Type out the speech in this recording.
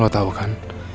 lo tau kan